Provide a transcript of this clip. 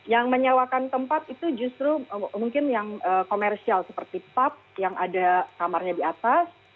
yang menyewakan tempat itu justru mungkin yang komersial seperti pub yang ada kamarnya di atas